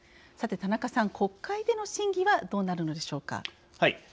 さて田中さん、国会での審議はどうなるのでしょうか。